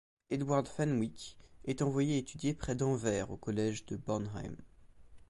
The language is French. Edward Fenwick est envoyé étudier près d'Anvers au collège de Bornheim.